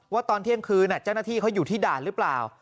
ตอนเที่ยงคืนเจ้าหน้าที่เขาอยู่ที่ด่านหรือเปล่า